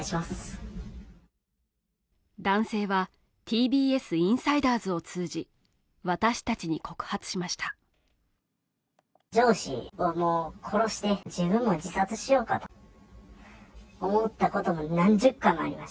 男性はＴＢＳインサイダーズを通じ私たちに告発しました